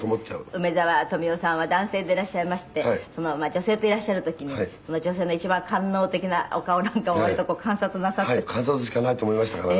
「梅沢富美男さんは男性でいらっしゃいまして女性といらっしゃる時に女性の一番官能的なお顔なんかを割と観察なさって」「観察しかないと思いましたからね」